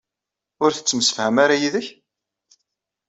Ur tettemsefham ara yid-k?